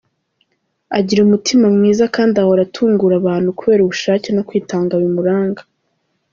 Agira umutima mwiza kandi ahora atungura abantu kubera ubushake no kwitanga bimuranga.